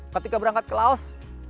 ketika berangkat ke laos